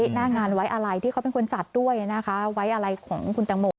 หน้างานไว้อะไรที่เขาเป็นคนจัดด้วยนะคะไว้อะไรของคุณตังโม